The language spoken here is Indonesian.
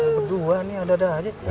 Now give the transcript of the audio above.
berdua nih ada ada aja